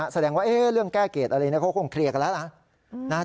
แสดงว่าเรื่องแก้เกรดอะไรเขาคงเคลียร์กันแล้วล่ะ